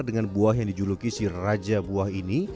dengan buah yang dijuluki si raja buah ini